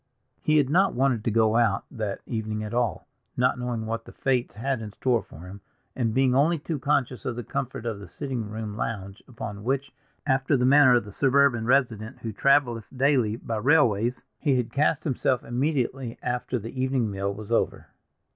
He had not wanted to go out that evening at all, not knowing what the fates had in store for him, and being only too conscious of the comfort of the sitting room lounge, upon which, after the manner of the suburban resident who traveleth daily by railways, he had cast himself immediately after the evening meal was over.